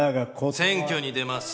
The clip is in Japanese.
選挙に出ます。